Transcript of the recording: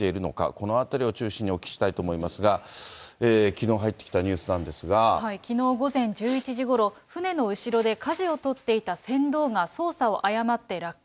このあたりを中心にお聞きしたいと思いますが、きのう入ってきたきのう午前１１時ごろ、船の後ろでかじを取っていた船頭が操作を誤って落下。